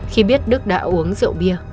khi biết đức đã uống rượu bia